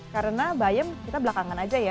karena bayem kita belakangan aja ya